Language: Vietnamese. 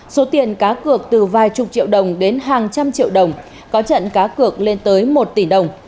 số tiền cá cược từ vài chục triệu đồng đến hàng trăm triệu đồng có trận cá cược lên tới một tỷ đồng